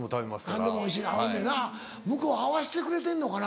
何でもおいしい合うのやな向こう合わしてくれてんのかな？